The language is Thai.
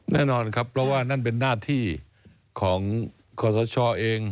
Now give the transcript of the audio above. แน่นอนครับเพราะว่านั่นเป็นหน้าที่ของขอสชเอง